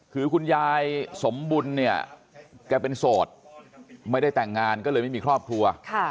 คือคุณยายสมบุญเนี่ยแกเป็นโสดไม่ได้แต่งงานก็เลยไม่มีครอบครัว